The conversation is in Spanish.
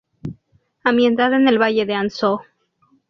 Ambientada en el Valle de Ansó.